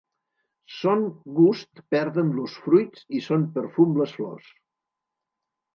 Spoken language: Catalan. Son gust perden los fruits i son perfum les flors.